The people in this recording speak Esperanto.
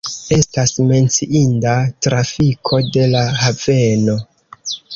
Estas menciinda trafiko de la haveno.